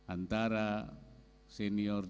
antara senior dan juniornya